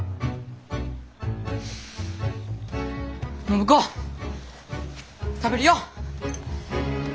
暢子食べるよ！